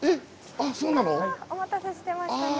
あお待たせしてましたね。